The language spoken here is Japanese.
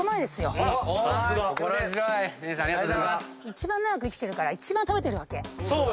一番長く生きてるから一番食べてるわけ。